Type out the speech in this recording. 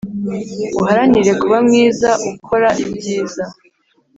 uharanire kuba mwiza ukora ibyiza